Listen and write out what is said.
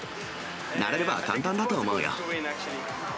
慣れれば簡単だと思うよ。